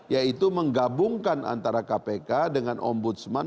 yaitu menggabungkan antara kpk dengan ombudsman